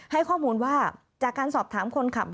ให้ข้อมูลว่าจากการสอบถามคนขับ